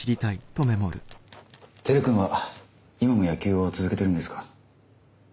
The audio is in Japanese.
輝君は今も野球を続けてるんですか？